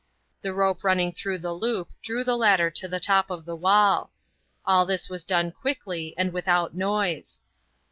The rope running through the loop drew the ladder to the top of the wall. All this was done quickly and without noise.